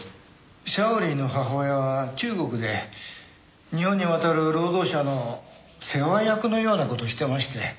シャオリーの母親は中国で日本に渡る労働者の世話役のような事をしてまして。